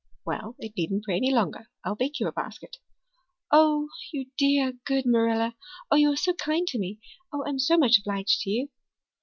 "Well, it needn't prey any longer. I'll bake you a basket." "Oh, you dear good Marilla. Oh, you are so kind to me. Oh, I'm so much obliged to you."